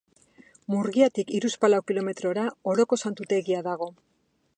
Murgiatik hiruzpalau kilometrora Oroko Santutegia dago.